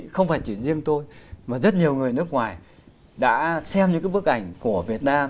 không phải chỉ riêng tôi mà rất nhiều người nước ngoài đã xem những cái bức ảnh của việt nam